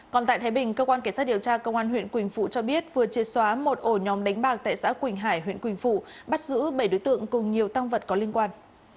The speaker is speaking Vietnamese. còn tại thái bình cơ quan cảnh sát điều tra công an huyện quỳnh phụ cho biết vừa chia xóa một ổ nhóm đánh bạc tại xã quỳnh hải huyện quỳnh phụ bắt giữ bảy đối tượng cùng nhiều tăng vật có liên quan